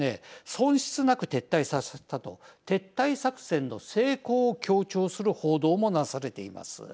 損失なく撤退させたと撤退作戦の成功を強調する報道もなされています。